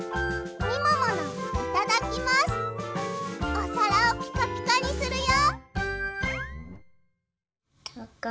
おさらをピカピカにするよ！